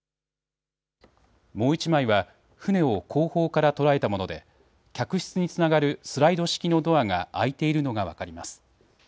もう１枚は船を後方から捉えたもので客室につながるスライド式のドアが開いているのが分かります。